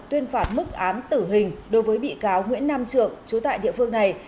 tuyên phạt mức án tử hình đối với bị cáo nguyễn nam trượng chú tại địa phương này